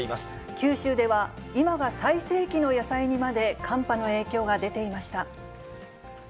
九州では、今が最盛期の野菜にまで寒波の影響が出ていました。